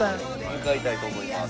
向かいたいと思います。